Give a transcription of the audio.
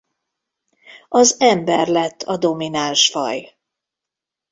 Az ember lett a domináns faj.